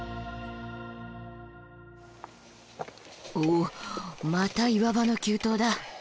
おまた岩場の急登だ。